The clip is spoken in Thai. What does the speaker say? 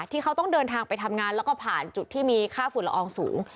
ที่เขาต้องเดินทางไปทำงานแล้วก็ผ่านจุดที่มีค่าฝุ่นละอองสูง